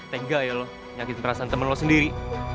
tega ya lo nyakit perasaan temen lo sendiri